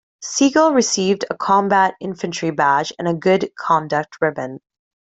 Siegel received a Combat Infantry Badge and a Good Conduct ribbon.